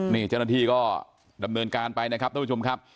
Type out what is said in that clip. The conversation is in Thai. นี่เจ้าหน้าที่ก็ดำเนินการไปนะครับ